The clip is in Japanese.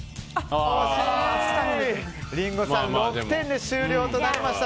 リンゴさん６点で終了となりました。